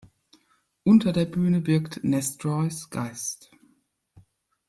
Unter der Bühne wirkt „Nestroys Geist“.